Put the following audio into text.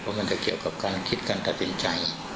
เพราะมันจะเกี่ยวกับการคิดการตัดสินใจ